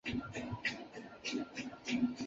红背山麻杆为大戟科山麻杆属下的一个变种。